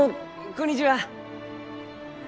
こんにちは。